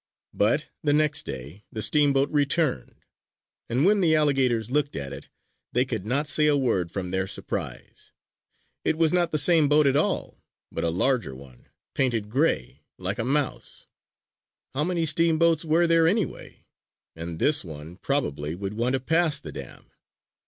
But the next day the steamboat returned; and when the alligators looked at it, they could not say a word from their surprise: it was not the same boat at all, but a larger one, painted gray like a mouse! How many steamboats were there, anyway? And this one probably would want to pass the dam!